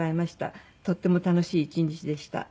「とっても楽しい一日でした」